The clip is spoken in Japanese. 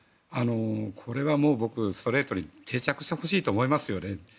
これは僕、ストレートに定着してほしいと思いますね。